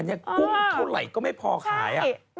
เนี่ยกุ้งเท่าไรก็ไม่พอขายอ่ะใช่